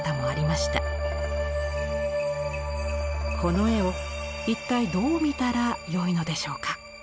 この絵を一体どう見たらよいのでしょうか。